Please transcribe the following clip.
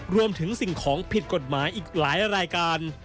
สิ่งของผิดกฎหมายอีกหลายรายการ